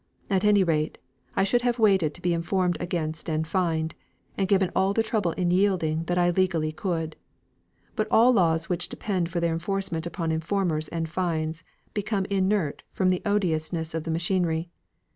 At any rate, I should have waited to be informed against and fined, and given all the trouble in yielding that I legally could. But all laws which depend for their enforcement upon informers and fines, become inert from the odiousness of the machinery.